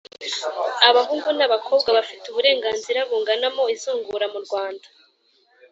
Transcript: abahungu n’abakobwa bafite uburenganzira bungana mu izungura mu rwanda